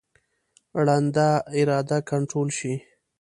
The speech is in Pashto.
ړنده اراده کنټرول شي.